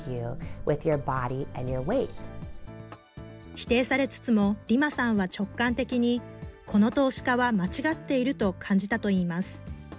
否定されつつも、リマさんは直感的に、この投資家は間違っていると感じたといいます。